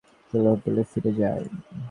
চলো, হোটেলে ফিরে যাই।